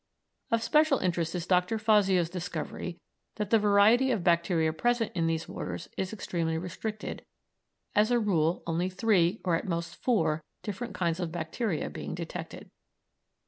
Of special interest is Dr. Fazio's discovery that the variety of bacteria present in these waters is extremely restricted, as a rule only three, or at most four, different kinds of bacteria being detected.